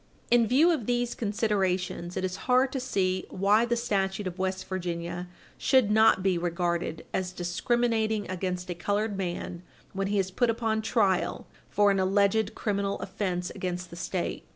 In view of these considerations, it is hard to see why the statute of West Virginia should not be regarded as discriminating against a colored man when he is put upon trial for an alleged criminal offence against the State.